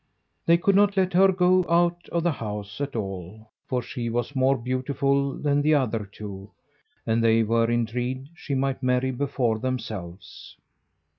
They would not let her go out of the house at all; for she was more beautiful than the other two, and they were in dread she might marry before themselves.